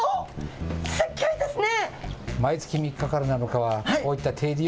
すっぎょいですね。